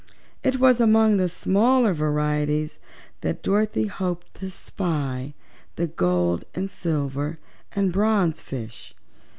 It was among the smaller varieties that Dorothy hoped to spy the gold and silver and bronze fishes.